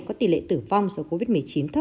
có tỷ lệ tử vong do covid một mươi chín thấp